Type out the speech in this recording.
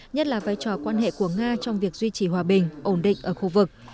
nhất là vai trò quan hệ của nga trong việc duy trì hòa bình ổn định ở khu vực